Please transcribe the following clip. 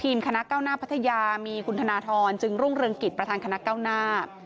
คณะเก้าหน้าพัทยามีคุณธนทรจึงรุ่งเรืองกิจประธานคณะเก้าหน้า